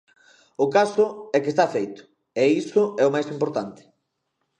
O caso é que está feito, e iso é o máis importante.